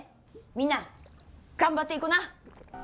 みんな頑張っていこな！